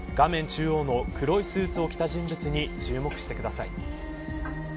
中央の黒いスーツを着た人物に注目してください。